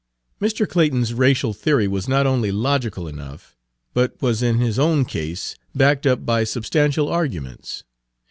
Mr. Clayton's racial theory was not only logical enough, but was in his own case backed up by substantial arguments.